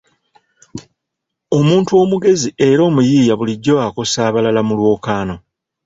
Omuntu omugezi era omuyiiya bulijjo akosa abalala mu lwokaano.